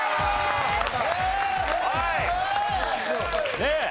ねえ。